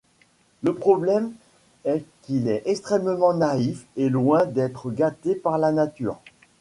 Le problème est qu'il est extrêmement naïf et loin d'être gâté par la nature...